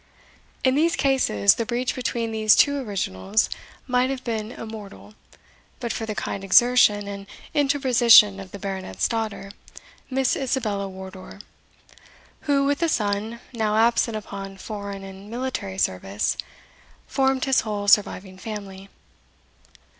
In these cases, the breach between these two originals might have been immortal, but for the kind exertion and interposition of the Baronet's daughter, Miss Isabella Wardour, who, with a son, now absent upon foreign and military service, formed his whole surviving family.